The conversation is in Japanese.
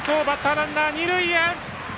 ランナー、二塁へ。